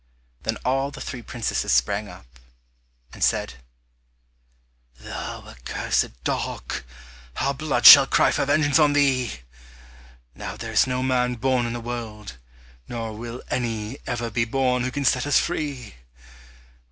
Then all the three princesses sprang up, and said, "Thou accursed dog, our blood shall cry for vengeance on thee! Now there is no man born in the world, nor will any ever be born who can set us free!